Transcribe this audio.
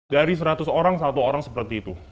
dari seratus orang satu orang seperti itu